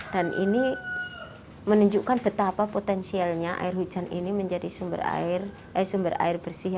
dan ini menunjukkan betapa potensialnya air hujan ini menjadi sumber air bersihnya